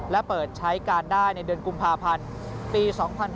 และเปิดใช้การได้ในเดือนกุมภาพันธ์ปี๒๕๕๙